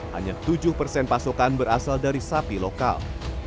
hanya tujuh persen pasokan berasal dari sapi lokal